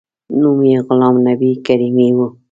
نوم یې غلام نبي کریمي و.